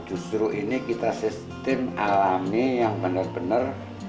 justru ini kita sistem alami yang benar benar